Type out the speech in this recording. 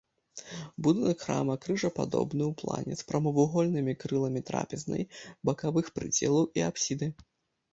Будынак храма крыжападобны ў плане з прамавугольнымі крыламі трапезнай, бакавых прыдзелаў і апсіды.